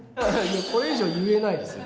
これ以上は言えないですよ。